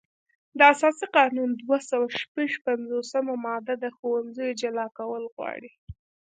د اساسي قانون دوه سوه شپږ پنځوسمه ماده د ښوونځیو جلا کول غواړي.